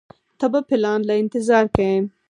ته به پلان له انتظار کيې.